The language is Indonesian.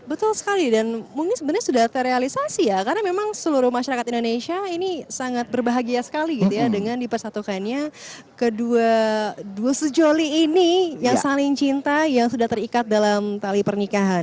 betul sekali dan mungkin sebenarnya sudah terrealisasi ya karena memang seluruh masyarakat indonesia ini sangat berbahagia sekali gitu ya dengan dipersatukannya kedua dua sejoli ini yang saling cinta yang sudah terikat dalam tali pernikahan